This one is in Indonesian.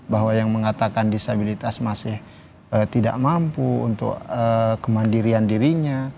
bahwa yang mengatakan disabilitas masih tidak mampu untuk kemandirian dirinya